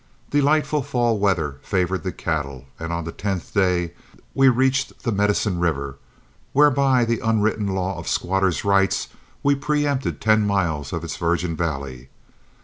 Delightful fall weather favored the cattle, and on the tenth day we reached the Medicine River, where, by the unwritten law of squatter's rights, we preëmpted ten miles of its virgin valley.